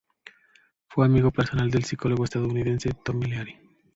Fue amigo personal del psicólogo estadounidense Timothy Leary.